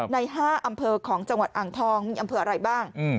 ใน๕อำเภอของจังหวัดอ่างทองมีอำเภออะไรบ้าง